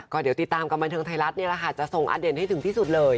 ก็เดี๋ยวติดตามกับบรรเทิงไทยรัฐจะส่งอเด็นให้ถึงที่สุดเลย